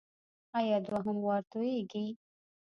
ایا دوهم وار توییږي؟